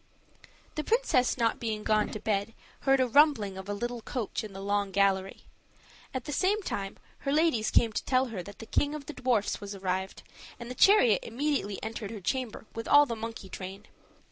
The princess not being gone to bed, heard a rumbling of a little coach in the long gallery; at the same time, her ladies came to tell her that the king of the dwarfs was arrived, and the chariot immediately entered her chamber with all the monkey train.